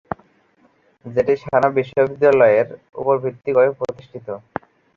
যেটি সানা বিশ্ববিদ্যালয়ের উপর ভিত্তি করে প্রতিষ্ঠিত।